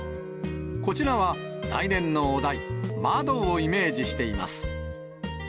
こちらは、来年のお題、窓をイメージしています。